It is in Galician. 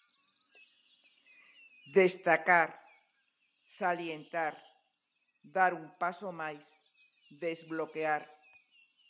"Destacar", "salientar", "dar un paso máis", "desbloquear".